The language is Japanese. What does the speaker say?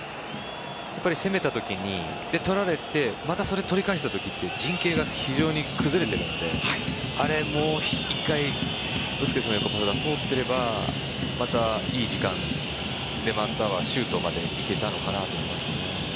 攻めたときに取られてまた取り返したとき陣形が非常に崩れるのでもう１回ブスケツの横パスが通っていればまたいい時間でまたはシュートまで行けたのかなと思いますね。